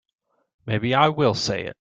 Maybe I will say it.